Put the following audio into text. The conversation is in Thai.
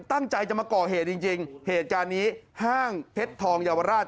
ตั้งใจจะมาก่อเหตุจริงจริงเหตุการณ์นี้ห้างเพชรทองเยาวราช